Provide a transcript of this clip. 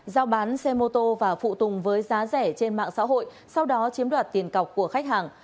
giao bán xe mô tô và phụ tùng với giá rẻ trên mạng xã hội sau đó chiếm đoạt tiền cọc của khách hàng